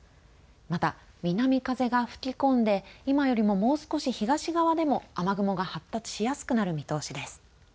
また、南風が吹き込んで今よりも、もう少し東側でも雨雲が発達しやすくなる見通しです。